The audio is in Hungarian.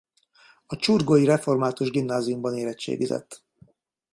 A csurgói református gimnáziumban érettségizett.